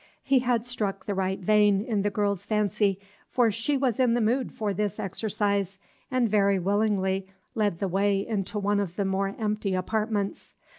He had struck the right vein in the girl's fancy, for she was in the mood for this exercise, and very willingly led the way into one of the more empty apartments.